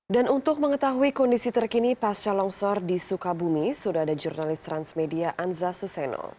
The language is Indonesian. dan untuk mengetahui kondisi terkini pas calon longsor di sukabumi sudah ada jurnalis transmedia anza suseno